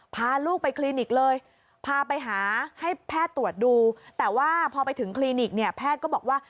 พาลูกไปคลินิกเลยพาไปหาให้แพทย์ตรวจดูแต่ว่าพอไปถึงคลินิกเนี่ยแพทย์ก็บอกว่า